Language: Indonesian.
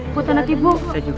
buat anak ibu